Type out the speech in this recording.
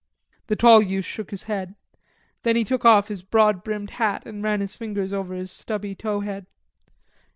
The tall youth shook his head. Then he took off his broad brimmed hat and ran his fingers over his stubby tow head.